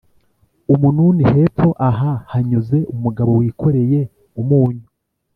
umununi hepfo aha hanyuze umugabo wikoreye umunyu